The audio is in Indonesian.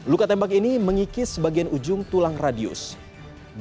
luka tembak ini juga akan menembus tulang rahang bawah sisi kanan